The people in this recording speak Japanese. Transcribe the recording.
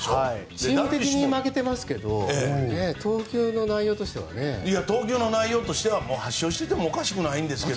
チーム的には負けていますけど投球の内容としては８勝していてもおかしくないですが。